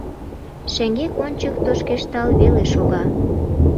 Шеҥгек-ончык тошкештал веле шога.